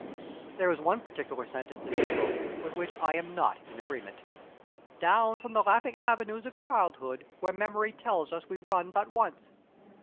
There is one particular sentence in this book with which I am not in agreement. "... down the laughing avenues of childhood, where memory tells us we run but once...."